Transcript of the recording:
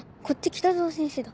北澤先生だ。